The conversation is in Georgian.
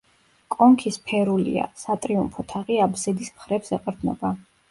კონქი სფერულია, სატრიუმფო თაღი აბსიდის მხრებს ეყრდნობა.